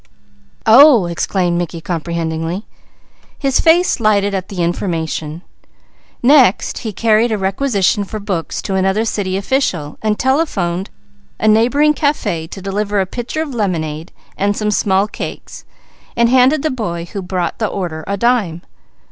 "Oh!" exclaimed Mickey comprehendingly. His face lighted at the information. Next he carried a requisition for books to another city official and telephoned a café to deliver a pitcher of lemonade and some small cakes, and handed the boy a dime.